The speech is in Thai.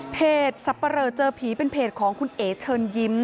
สับปะเลอเจอผีเป็นเพจของคุณเอ๋เชิญยิ้ม